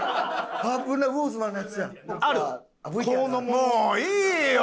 もういいよ！